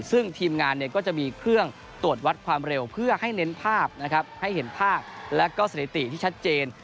ซึ่งทีมงานก็จะมีเครื่องตรวจวัดความเร็วเพื่อให้เน้นภาพนะครับให้เห็นภาพและก็สถิติที่ชัดเจน